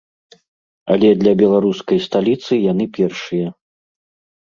Але для беларускай сталіцы яны першыя.